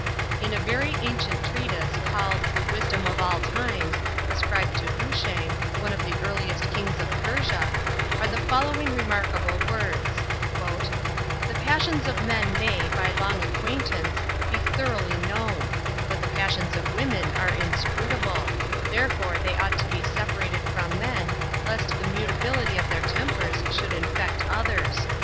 In a very ancient treatise, called the Wisdom of all Times, ascribed to Hushang, one of the earliest kings of Persia, are the following remarkable words: "The passions of men may, by long acquaintance, be thoroughly known; but the passions of women are inscrutable; therefore they ought to be separated from men, lest the mutability of their tempers should infect others."